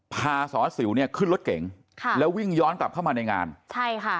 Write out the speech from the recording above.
พาสอสิวเนี่ยขึ้นรถเก๋งค่ะแล้ววิ่งย้อนกลับเข้ามาในงานใช่ค่ะ